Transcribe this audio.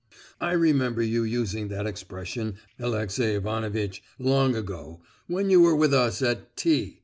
"I remember you using that expression, Alexey Ivanovitch, long ago, when you were with us at T——.